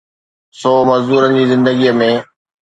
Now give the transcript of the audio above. سو مزدورن جي زندگيءَ ۾